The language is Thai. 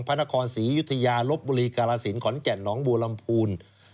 พระนครศรียุธยาลบบุรีกาลสินขอนแก่นหนองบัวลำพูน